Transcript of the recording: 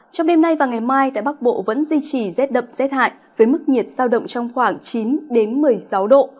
trong đêm nay và ngày mai tại bắc bộ vẫn duy trì rét đậm rét hại với mức nhiệt sao động trong khoảng chín một mươi sáu độ